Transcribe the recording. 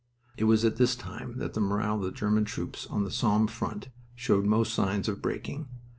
It was at this time that the morale of the German troops on the Somme front showed most signs of breaking.